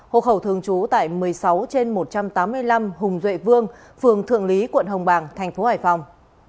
hộ khẩu thường trú tại một mươi sáu trên một trăm tám mươi năm hùng duệ vương phường thượng lý quận hồng bàng thành phố hải phòng